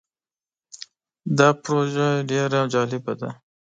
دا پروژه ډیر جالبه ده.